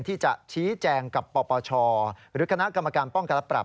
ที่จะชี้แจงกับปปชหรือคณะกรรมการป้องกันและปรับ